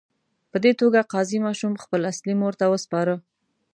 په دې توګه قاضي ماشوم خپلې اصلي مور ته وسپاره.